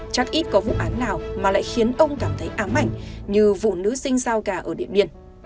chắc ít có vụ án nào mà lại khiến ông cảm thấy ám ảnh như vụ nữ sinh giao gà ở điện biên